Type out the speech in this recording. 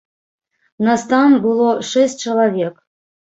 Нас там было шэсць чалавек.